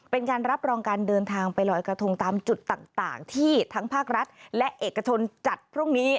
เป็นการรับรองการเดินทางไปลอยกระทงตามจุดต่างที่ทั้งภาครัฐและเอกชนจัดพรุ่งนี้